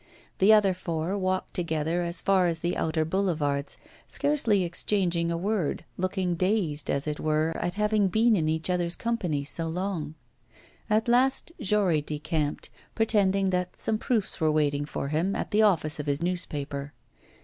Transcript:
The other four walked together as far as the outer boulevards, scarcely exchanging a word, looking dazed, as it were, at having been in each other's company so long. At last Jory decamped, pretending that some proofs were waiting for him at the office of his newspaper.